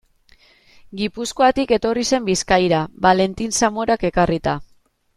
Gipuzkoatik etorri zen Bizkaira, Valentin Zamorak ekarrita.